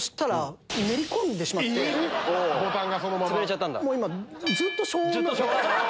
ボタンがそのまま⁉つぶれちゃったんだ。